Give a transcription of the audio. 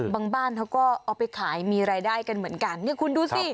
บ้านเขาก็เอาไปขายมีรายได้กันเหมือนกันเนี่ยคุณดูสิ